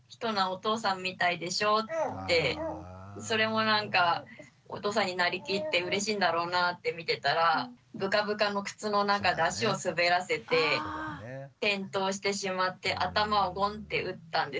それもなんかお父さんになりきってうれしいんだろうなって見てたらブカブカの靴の中で足を滑らせて転倒してしまって頭をゴンッて打ったんですね。